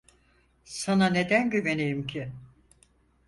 Sana neden güveneyim ki?